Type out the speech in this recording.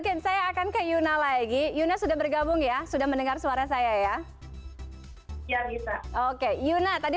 mungkin saya akan ke yuna lagi yuna sudah bergabung ya sudah mendengar suara saya ya bisa oke yuna tadi